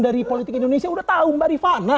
dari politik indonesia udah tahu mbak rifana